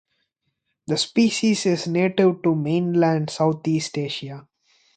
The species is native to Mainland Southeast Asia.